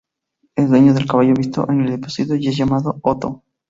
Es dueño del caballo visto en el episodio, y es llamado Otto.